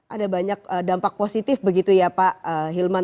ada banyak dampak positif begitu ya pak hilman